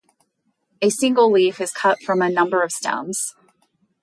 A single leaf is cut from a number of stems.